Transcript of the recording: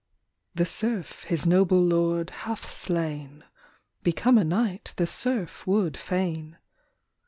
The serf his noble lord hath slain ; Become a knight the serf would fain.